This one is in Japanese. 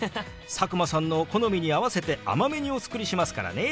佐久間さんの好みに合わせて甘めにお作りしますからね。